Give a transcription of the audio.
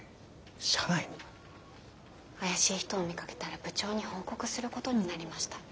怪しい人を見かけたら部長に報告することになりました。